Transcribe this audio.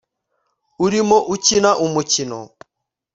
urimo ukina umukino